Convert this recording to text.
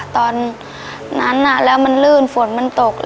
ตอนนั้นแล้วมันลื่นฝนมันตก